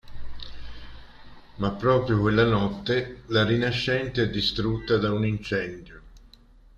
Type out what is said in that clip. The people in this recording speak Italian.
Ma proprio quella notte La Rinascente è distrutta da un incendio.